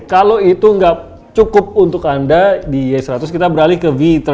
kalau itu nggak cukup untuk anda di y seratus kita beralih ke v tiga ratus